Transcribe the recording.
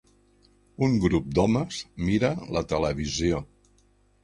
Un grup d'homes mira la televisió.